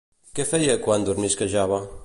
Què feia quan dormisquejava?